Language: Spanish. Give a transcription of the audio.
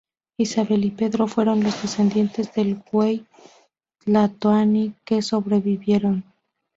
Isabel y Pedro fueron los descendientes del huey tlatoani que sobrevivieron.